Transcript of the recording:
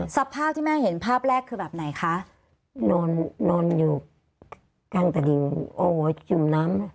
ใช่ค่ะที่แม่เห็นภาพแรกคือแบบไหนคะนอนอยู่กลางตะดิงโอ้วจึงน้ำ